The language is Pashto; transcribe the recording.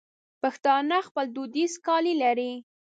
پښتانه خپل دودیز کالي لري.